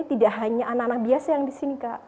tidak hanya anak anak biasa yang di sini kak